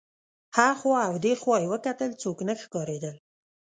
هخوا او دېخوا یې وکتل څوک نه ښکارېدل.